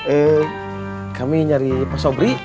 eh kami nyari pak sobri